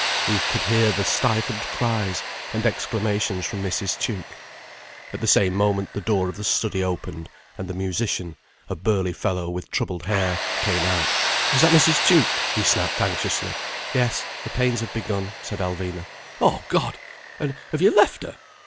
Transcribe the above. He could hear the stifled cries and exclamations from Mrs. Tuke. At the same moment the door of the study opened, and the musician, a burly fellow with troubled hair, came out. "Is that Mrs. Tuke?" he snapped anxiously. "Yes. The pains have begun," said Alvina. "Oh God! And have you left her!"